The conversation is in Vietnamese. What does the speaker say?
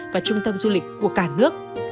và trung tâm du lịch của cả nước